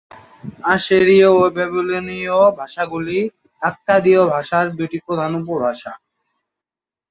আসিরীয় ও ব্যাবিলনীয় ভাষাগুলি আক্কাদীয় ভাষার দুইটি প্রধান উপভাষা।